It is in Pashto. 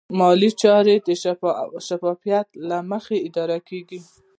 مالي چارې د شفافیت له مخې اداره کېږي.